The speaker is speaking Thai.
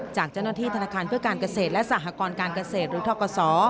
จากเจ้าหน้าที่ธนาคารเพื่อการเกษตรและสหกรการเกษตรหรือทกศ